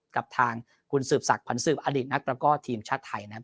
กับทางคุณสืบศักดิผันสืบอดีตนักตระก้อทีมชาติไทยนะครับ